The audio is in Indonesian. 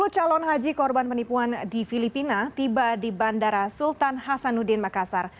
sepuluh calon haji korban penipuan di filipina tiba di bandara sultan hasanuddin makassar